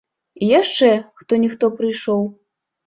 І яшчэ хто-ніхто прыйшоў.